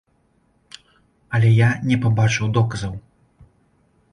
Але я не пабачыў доказаў.